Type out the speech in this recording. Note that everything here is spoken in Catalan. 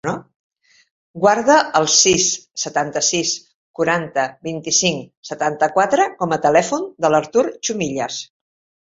Guarda el sis, setanta-sis, quaranta, vint-i-cinc, setanta-quatre com a telèfon de l'Artur Chumillas.